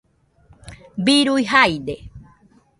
birui jaide